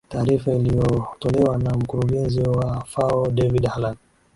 taarifa iliyotolewa na mkurugenzi wa fao david halan